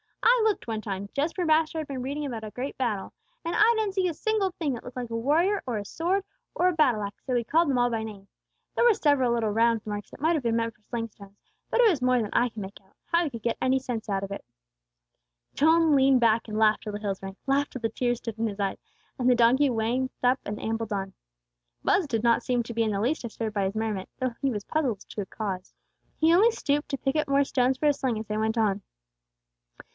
I looked one time, just where Master had been reading about a great battle. And I didn't see a single thing that looked like a warrior or a sword or a battle axe, though he called them all by name. There were several little round marks that might have been meant for sling stones; but it was more than I could make out, how he could get any sense out of it." Joel leaned back and laughed till the hills rang, laughed till the tears stood in his eyes, and the donkey waked up and ambled on. Buz did not seem to be in the least disturbed by his merriment, although he was puzzled as to its cause. He only stooped to pick up more stones for his sling as they went on.